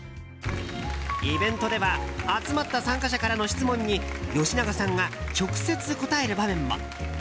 イベントでは集まった参加者からの質問に吉永さんが直接答える場面も。